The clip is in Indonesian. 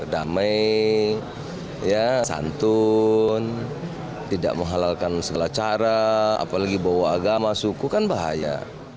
damai santun tidak menghalalkan segala cara apalagi bawa agama suku kan bahaya